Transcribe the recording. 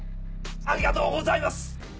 ありがとうございます！